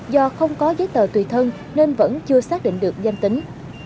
do không có giấy tờ tùy thân nên vẫn chưa xác định được danh tính